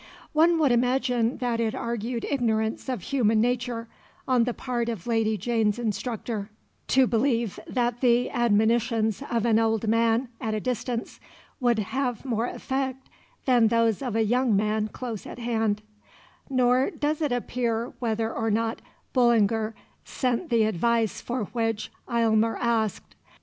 One would imagine that it argued ignorance of human nature on the part of Lady Jane's instructor to believe that the admonitions of an old man at a distance would have more effect than those of a young man close at hand; nor does it appear whether or not Bullinger sent the advice for which Aylmer asked.